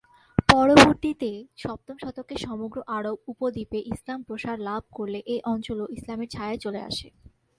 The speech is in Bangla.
পরবর্তিতে সপ্তম শতকে সমগ্র আরব উপ দ্বীপে ইসলাম প্রসার লাভ করলে এ অঞ্চলও ইসলামের ছায়ায় চলে আসে।